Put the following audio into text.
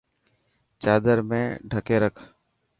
چادر ۾ ڌڪي رک.